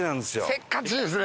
せっかちですね